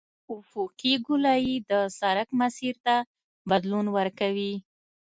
افقي ګولایي د سرک مسیر ته بدلون ورکوي